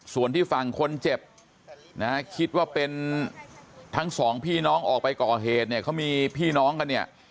ส่วนที่ฝั่งคนเจ็บนะฮะคิดว่าเป็นทั้งสองพี่น้องออกไปก่อเหตุเนี่ยเขามีพี่น้องกันเนี่ย